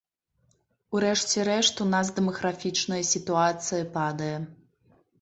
У рэшце рэшт, у нас дэмаграфічная сітуацыя падае.